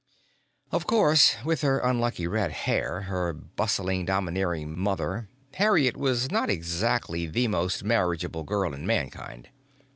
Of course, with her unlucky red hair, her bustling, domineering mother, Harriet was not exactly the most marriageable girl in Mankind.